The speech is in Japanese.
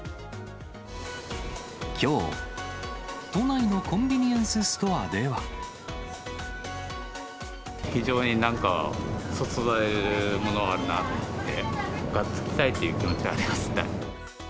きょう、都内のコンビニエン非常になんか、そそられるものはあるなと思って、がっつきたいという気持ちはありますね。